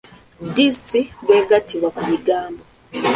Ddi ‘si’ lw’etagattibwa ku bigambo?